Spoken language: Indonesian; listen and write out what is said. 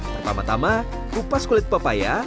pertama tama kupas kulit papaya